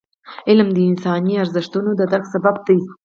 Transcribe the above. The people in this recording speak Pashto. علم د انساني ارزښتونو د درک سبب دی.